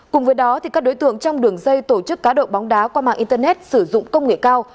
cùng với đó các đối tượng trong đường dây tổ chức cá độ bóng đá qua mạng internet sử dụng công nghệ cao